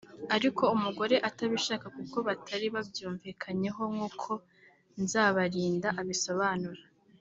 ariko umugore atabishaka kuko batari babyumvikanyeho nk’uko Nzabarinda abisobanura